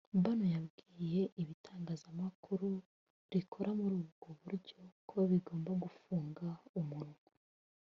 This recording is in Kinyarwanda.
Bannon yabwiye ibitangazamakuru rikora muri ubwo buryo ko bIgomba gufunga umunwa